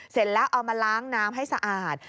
เสร็จแล้วเอามาล้างน้ำให้สะอาด